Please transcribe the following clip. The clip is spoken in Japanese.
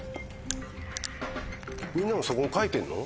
みんなもそこに書いてるの？